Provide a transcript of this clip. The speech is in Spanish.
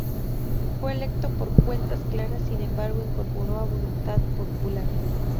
Fue electo por Cuentas Claras, sin embargo, incorporó a Voluntad Popular.